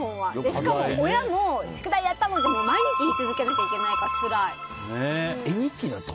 しかも親も宿題やったの？って毎日言い続けなきゃいけないから絵日記なんて